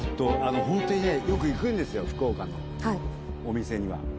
本当にねよく行くんですよ福岡のお店には。